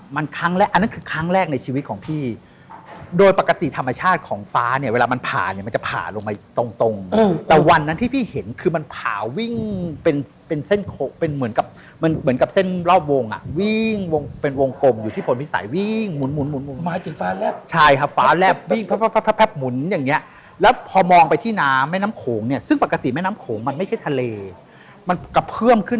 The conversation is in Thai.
มันครั้งแรกอันนั้นคือครั้งแรกในชีวิตของพี่โดยปกติธรรมชาติของฟ้าเนี่ยเวลามันผ่าเนี่ยมันจะผ่าลงไปตรงแต่วันนั้นที่พี่เห็นคือมันผ่าวิ่งเป็นเป็นเส้นโค้งเป็นเหมือนกับมันเหมือนกับเส้นรอบวงอ่ะวิ่งวงเป็นวงกลมอยู่ที่ผลพิสัยวิ่งหมุนหมุนหมุนหมุนหมุนหมุนหมุนหมุนหมุนหมุนหมุนหมุน